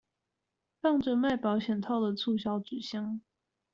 放著賣保險套的促銷紙箱